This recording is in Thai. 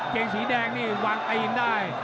เกงสีแดงนี่วางตีนได้